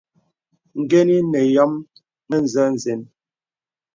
Gəni nə̀ yɔ̄m mə̄zɛ̄ zeŋ.